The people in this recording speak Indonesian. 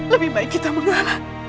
lebih baik kita mengalah